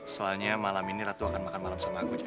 soalnya malam ini ratu akan makan malam sama aku